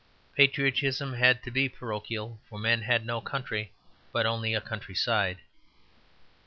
Patriotism had to be parochial; for men had no country, but only a countryside.